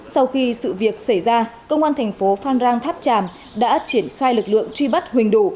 sau khi sự việc xảy ra công an thành phố phan rang tháp tràm đã triển khai lực lượng truy bắt huỳnh đủ